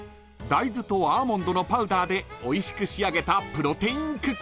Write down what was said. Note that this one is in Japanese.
［大豆とアーモンドのパウダーでおいしく仕上げた］